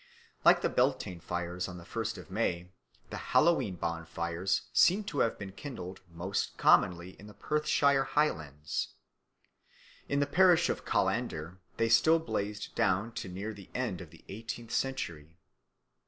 Like the Beltane fires on the first of May, the Hallowe'en bonfires seem to have been kindled most commonly in the Perthshire Highlands. In the parish of Callander they still blazed down to near the end of the eighteenth century.